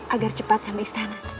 agar cepat sampai istana